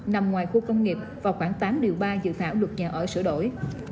nằm ngoài khu công nghiệp vào khoảng tám điều ba dự thảo luật nhà ở sửa đổi